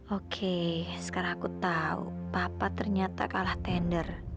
oke sekarang aku tahu papa ternyata kalah tender